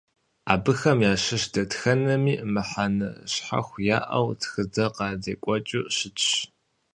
Абыхэм ящыщ дэтхэнэми мыхьэнэ щхьэхуэ яӀэу, тхыдэ къадекӀуэкӀыу щытщ.